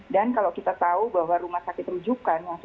dan kalau kita tahu bahwa rumah sakit terbatas